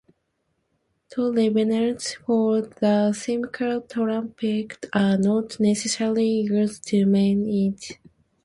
Toll revenues from the Cimarron Turnpike are not necessarily used to maintain it.